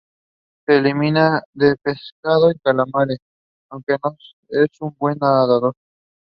A cellar entrance is located in the second bay from the left.